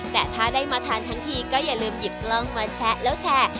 แต่ถ้าได้มาทานทั้งทีก็อย่าลืมหยิบกล้องมาแชะแล้วแชร์